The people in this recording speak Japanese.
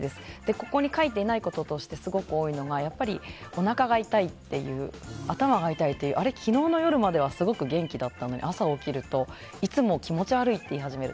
ここに書いていないこととしてすごく多いのがおなかが痛い、頭が痛いというあれ、昨日の夜まではすごい元気だったのに朝起きるといつも気持ち悪いって言い始める。